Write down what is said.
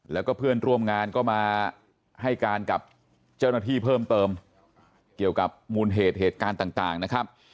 แล้วก็เพื่อนร่วมงานก็มาให้การกับเจ้าหน้าที่เพิ่มเติมเกี่ยวกับมูลเหตุเหตุการณ์ต่างนะครับ